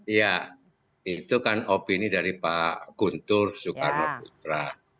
iya itu kan opini dari pak guntur soekarno putra